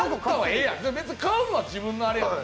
別に買うのは自分のあれやから。